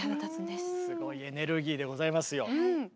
すごいエネルギーでございますよ。